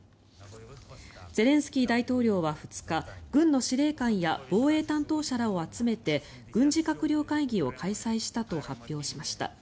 ゼレンスキー大統領は２日軍の司令官や防衛担当者らを集めて軍事閣僚会議を開催したと発表しました。